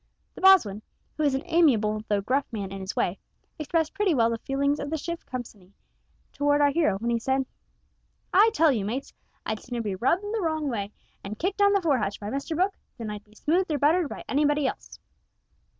The boatswain, who was an amiable though gruff man in his way, expressed pretty well the feelings of the ship's company towards our hero when he said: "I tell you, mates, I'd sooner be rubbed up the wrong way, an' kicked down the fore hatch by Mr Brooke, than I'd be smoothed or buttered by anybody else."